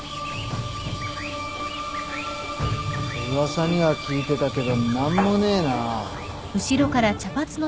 噂には聞いてたけど何もねえな。